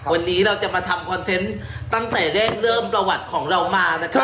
วันนี้เราจะมาทำคอนเทนต์ตั้งแต่ได้เริ่มประวัติของเรามานะครับ